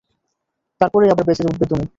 তারপরেই আবার বেঁচে উঠবে তুমি।